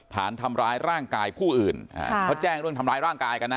ฐานทำร้ายร่างกายผู้อื่นเขาแจ้งเรื่องทำร้ายร่างกายกันนะ